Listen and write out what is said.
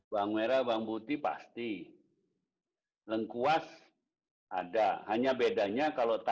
kami menggunakan bahan yang berbentuk